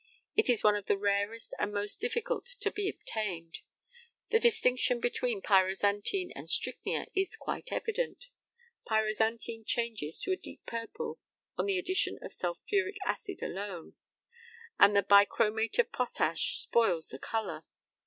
It is one of the rarest and most difficult to be obtained. The distinction between pyrozantine and strychnia is quite evident; pyrozantine changes to a deep purple on the addition of sulphuric acid alone, and the bichromate of potash spoils the colour.